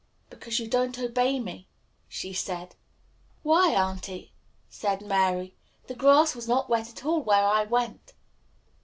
"Because you don't obey me," she said. "Why, auntie," said Mary, "the grass was not wet at all where I went."